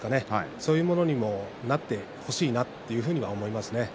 そういうものにもなってほしいなって思いますね。